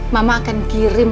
mama akan kirim